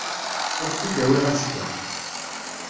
Ad k-t-id-awiɣ azekka.